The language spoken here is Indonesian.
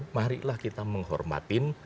marilah kita menghormatin